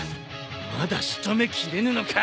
まだ仕留めきれぬのか！